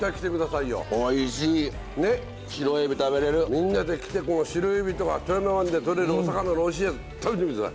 みんなで来てシロエビとか富山湾でとれるお魚のおいしいやつ食べてみて下さい。